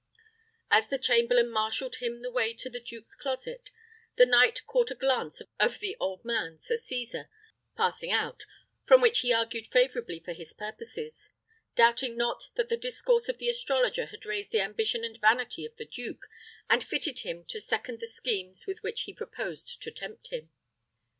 As the chamberlain marshalled him the way to the duke's closet, the knight caught a glance of the old man, Sir Cesar, passing out, from which he argued favourably for his purposes; doubting not that the discourse of the astrologer had raised the ambition and vanity of the duke, and fitted him to second the schemes with which he proposed to tempt him.